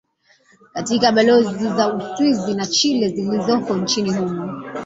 katika balozi za uswizi na chile zilizoko nchini humo